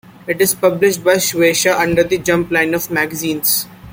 It is published by Shueisha under the "Jump" line of magazines.